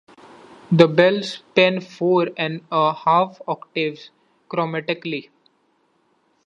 The bells span four and a half octaves chromatically.